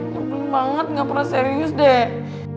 nyebelin banget gak pernah serius deh